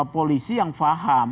polisi yang paham